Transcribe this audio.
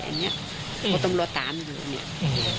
เพราะตำรวจตามอยู่